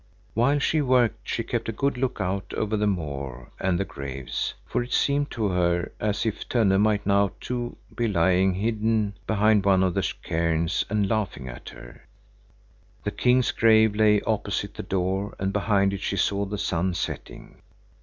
While she worked she kept a good look out over the moor and the graves, for it seemed to her as if Tönne might now too be lying hidden behind one of the cairns and laughing at her. The king's grave lay opposite the door and behind it she saw the sun setting.